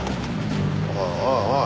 おいおいおい。